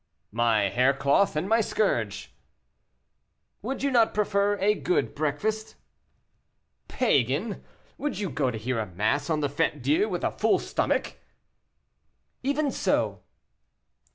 "My hair cloth and my scourge." "Would you not prefer a good breakfast?" "Pagan, would you go to hear mass on the Fête Dieu with a full stomach?" "Even so."